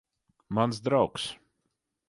Mans draugs.